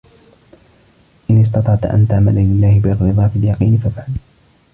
إنْ اسْتَطَعْت أَنْ تَعْمَلَ لِلَّهِ بِالرِّضَى فِي الْيَقِينِ فَافْعَلْ